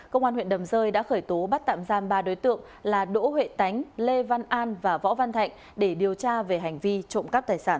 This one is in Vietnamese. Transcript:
công an huyện đầm rơi đã khởi tố bắt tạm giam ba đối tượng là đỗ huệ tánh lê văn an và võ văn thạnh để điều tra về hành vi trộm cắp tài sản